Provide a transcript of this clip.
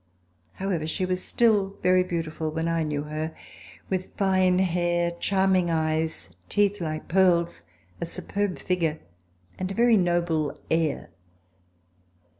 How ever, she was still very beautiful when I knew her, with fine hair, charming eyes, teeth like pearls, a superb figure and a very noble air.